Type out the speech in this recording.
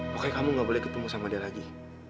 pokoknya kamu gak boleh ketemu sama dia lagi